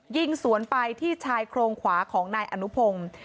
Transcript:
ยิงสวนไปที่ชายโครงขวาของนายอนุพงศ์